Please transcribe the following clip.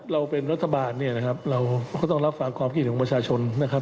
เราเป็นรัฐบาลเนี่ยนะครับเราก็ต้องรับฟังความคิดของประชาชนนะครับ